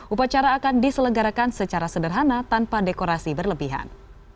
upacara akan diselenggarakan secara sederhana tanpa dekorasi berlebihan